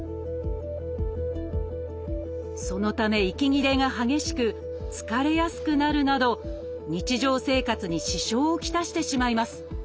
そのため息切れが激しく疲れやすくなるなど日常生活に支障を来してしまいます。